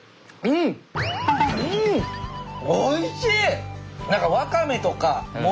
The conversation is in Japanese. おいしい！